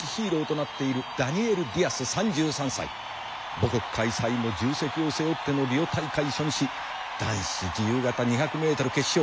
母国開催の重責を背負ってのリオ大会初日男子自由形２００ｍ決勝。